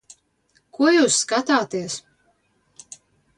Ko jūs skatāties?